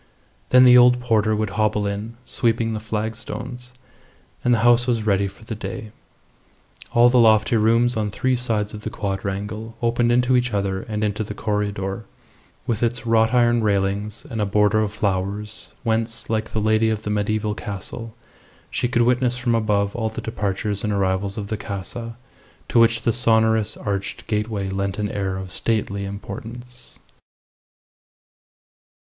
Then the old porter would hobble in, sweeping the flagstones, and the house was ready for the day. All the lofty rooms on three sides of the quadrangle opened into each other and into the corredor, with its wrought iron railings and a border of flowers, whence, like the lady of the mediaeval castle, she could witness from above all the departures and arrivals of the Casa, to which the sonorous arched gateway lent an air of stately importance.